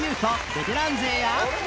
ベテラン勢や